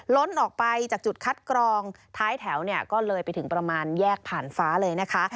ล้นออกไปจากจุดคัดกรองท้ายแถวเนี่ยก็เลยไปถึงประมาณแยกผ่านฟ้าเลยนะคะ